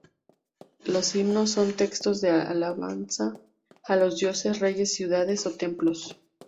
Los himnos son textos de alabanza a los dioses, reyes, ciudades o templos.